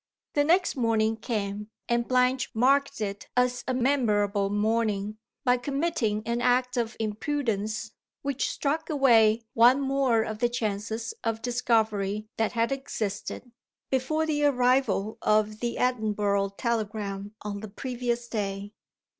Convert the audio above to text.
The next morning came; and Blanche marked it as a memorable morning, by committing an act of imprudence, which struck away one more of the chances of discovery that had existed, before the arrival of the Edinburgh telegram on the previous day.